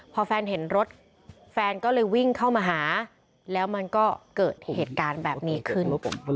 พอแฟนเห็นรถแฟนก็เลยวิ่งเข้ามาหาแล้วมันก็เกิดเหตุการณ์แบบนี้ขึ้น